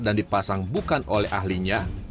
dan dipasang bukan oleh ahlinya